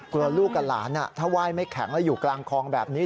กลัวลูกกับหลานถ้าไหว้ไม่แข็งแล้วอยู่กลางคลองแบบนี้